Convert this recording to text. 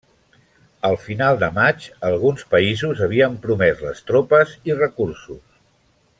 Al final de maig, alguns països havien promès les tropes i recursos.